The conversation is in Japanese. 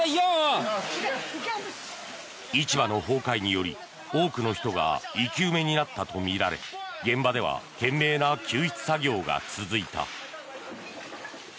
市場の崩壊により、多くの人が生き埋めになったとみられ現場では懸命な救出作業が続いた。